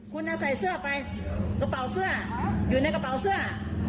คุณใส่เสื้อไปกระเป๋าเสื้ออยู่ในกระเป๋าเสื้อ